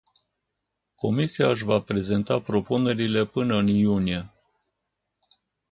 Comisia își va prezenta propunerile până în iunie.